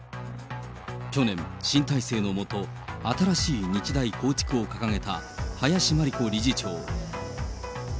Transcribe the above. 去年、新体制の下、新しい日大構築を掲げた林真理子理事長。